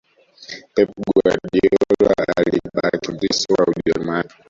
pep guardiola alikuwa akifundisha soka ujerumani